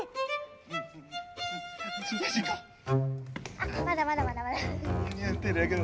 あっまだまだまだまだ。